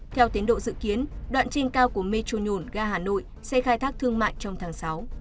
theo tiến độ dự kiến đoạn trên cao của metro nhổn ga hà nội sẽ khai thác thương mại trong tháng sáu